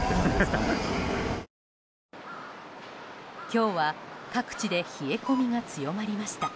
今日は各地で冷え込みが強まりました。